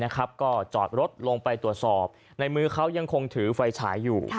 ก็จอดรถลงไปตรวจสอบในมือเขายังคงถือไฟฉายอยู่